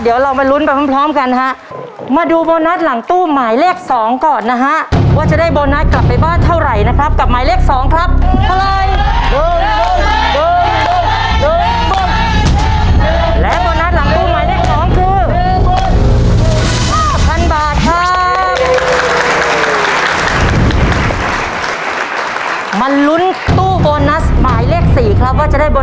เอาแล้วไปเลยครับมา